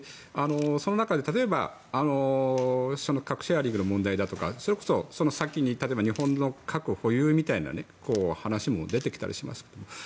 その中で、例えば核シェアリングの問題だとかそれこそその先に日本の核保有みたいな話も出てきたりしますよね。